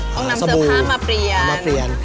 นำเสื้อผ้ามาเปลี่ยน